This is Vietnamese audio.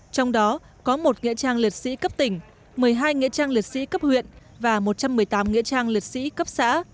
trong đó có một nghĩa trang liệt sĩ cấp tỉnh một mươi hai nghĩa trang liệt sĩ cấp huyện và một trăm một mươi tám nghĩa trang liệt sĩ cấp xã